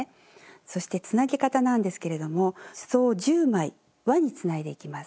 そしてつなぎ方なんですけれどもすそを１０枚輪につないでいきます。